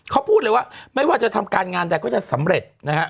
เขาพูดเลยว่าไม่ว่าจะทำการงานใดก็จะสำเร็จนะฮะ